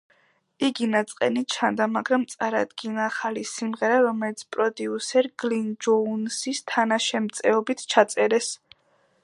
იგი ნაწყენი ჩანდა, მაგრამ წარადგინა ახალი სიმღერა, რომელიც პროდიუსერ გლინ ჯოუნსის თანაშემწეობით ჩაწერეს.